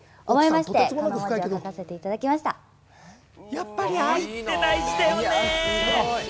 やっぱり愛って大事だよね。